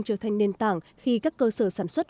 trở thành nền tảng khi các cơ sở sản xuất